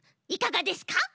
いかがですか？